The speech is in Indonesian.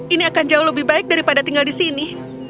ini akan jauh lebih baik daripada tinggal di sini